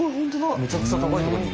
むちゃくちゃ高いとこにいる。